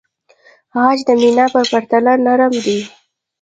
عاج د مینا په پرتله نرم دی.